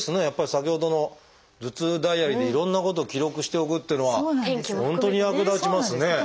やっぱり先ほどの頭痛ダイアリーでいろんなことを記録しておくっていうのは本当に役立ちますね。